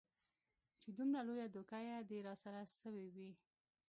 چې دومره لويه دوکه دې راسره سوې وي.